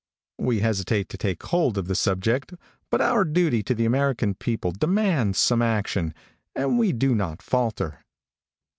We hesitate to take hold of the subject, but our duty to the American people demands some action, and we do not falter.